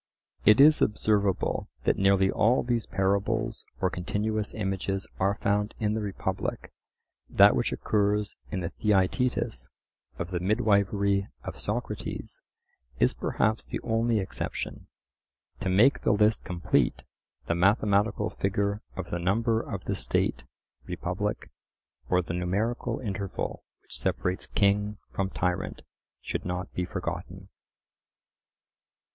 It is observable that nearly all these parables or continuous images are found in the Republic; that which occurs in the Theaetetus, of the midwifery of Socrates, is perhaps the only exception. To make the list complete, the mathematical figure of the number of the state (Republic), or the numerical interval which separates king from tyrant, should not be forgotten.